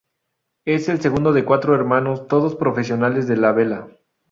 Es el segundo de cuatro hermanos, todos profesionales de la vela.